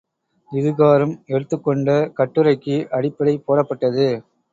இதுகாறும், எடுத்துக் கொண்ட கட்டுரைக்கு அடிப்படை போடப்பட்டது.